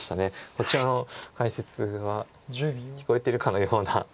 こちらの解説が聞こえてるかのような。